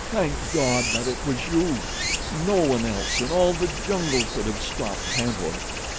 "Thank God that it was you. No one else in all the jungle could have stopped Tantor."